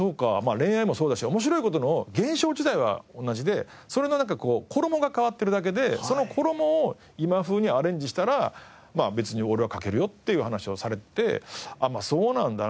恋愛もそうだし面白い事の現象自体は同じでそれの衣が変わってるだけでその衣を今風にアレンジしたら別に俺は書けるよっていう話をされててまあそうなんだな。